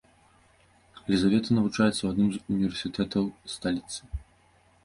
Лізавета навучаецца ў адным з універсітэтаў сталіцы.